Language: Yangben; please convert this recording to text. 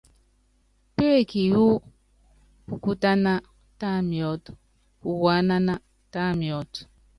Péeki wú pukútáná, tá miɔ́t, puwaánáná, tá miɔ́t.